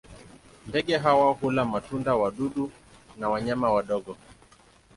Ndege hawa hula matunda, wadudu na wanyama wadogo.